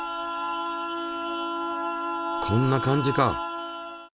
こんな感じか。